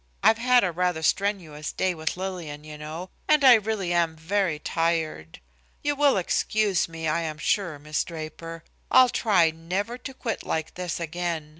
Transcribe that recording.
I've had a rather strenuous day with Lillian, you know, and I really am very tired. You will excuse me, I am sure, Miss Draper. I'll try never to quit like this again.